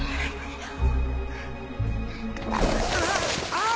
ああ。